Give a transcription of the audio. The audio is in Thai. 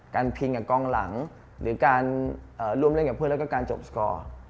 พิงกับกองหลังหรือการร่วมเล่นกับเพื่อนแล้วก็การจบสกอร์